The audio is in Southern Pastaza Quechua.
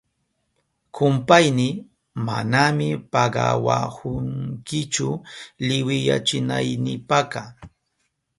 Kumpayni, manami pagawahunkichu liwiyachinaynipaka.